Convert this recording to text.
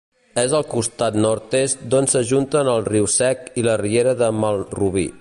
És al costat nord-est d'on s'ajunten el Riu Sec i la riera de Malrubí.